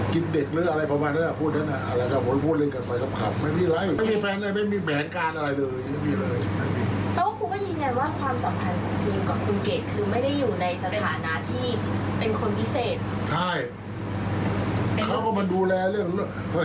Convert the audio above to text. เขาก็มาดูแลเรื่องเรื่องเรื่อง